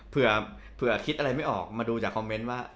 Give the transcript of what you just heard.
เผื่อคิดอะไรไม่ออกมาดูจากคอมเมนต์ว่า